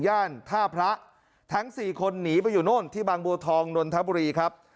ท่าพระทั้งสี่คนหนีไปอยู่โน่นที่บางบัวทองนนทบุรีครับ